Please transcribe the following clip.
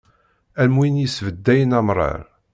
Am win i yesbeddayen amrar.